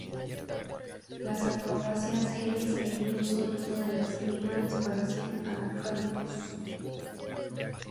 Las acrobacias Jedis e incluso el uso de la esgrima les parecían anacrónicos.